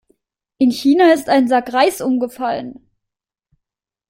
In China ist ein Sack Reis umgefallen.